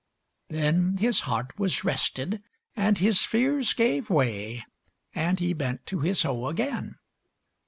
Then his heart was rested, and his fears gave way, And he bent to his hoe again....